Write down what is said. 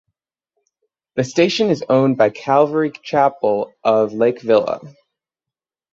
The station is owned by Calvary Chapel of Lake Villa.